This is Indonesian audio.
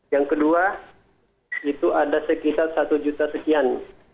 yang kedua itu ada sekitar satu juta sekian